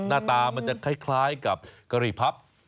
หน้าตามันจะคล้ายกับกะหรี่พับ